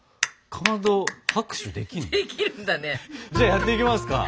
じゃあやっていきますか。